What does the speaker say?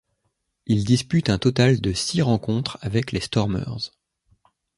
Il dispute un total de dix rencontres avec les Stormers.